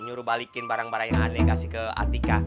nyuruh balikin barang barang yang aneh kasih ke atika